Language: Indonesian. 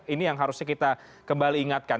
ini yang harusnya kita kembali ingatkan